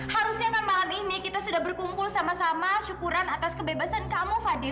harusnya kan malam ini kita sudah berkumpul sama sama syukuran atas kebebasan kamu fadil